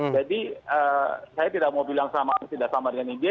jadi saya tidak mau bilang sama sama dengan india